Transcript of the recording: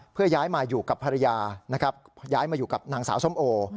เพื่อย้ายมาอยู่กับภรรยานะครับย้ายมาอยู่กับนางสาวส้มโอ